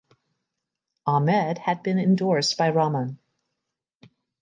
Ahmed had been endorsed by Rahman.